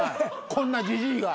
こんなじじいが。